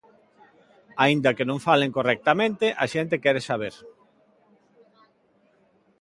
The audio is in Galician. Aínda que non falen correctamente a xente quere saber.